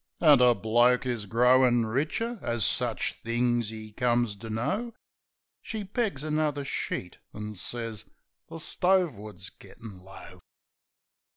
An' a bloke is growin' richer as sich things 'e comes to know ... (She pegs another sheet an' sez, "The stove wood's gittin' low.")